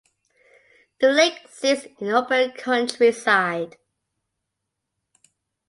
The lake sits in open countryside.